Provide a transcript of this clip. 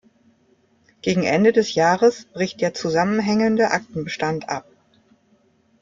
Gegen Ende des Jahres bricht der zusammenhängende Aktenbestand ab.